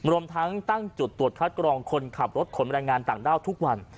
รวมทั้งตั้งจุดตรวจคัดกรองคนขับรถขนแรงงานต่างด้าวทุกวัน